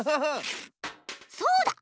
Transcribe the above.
そうだ！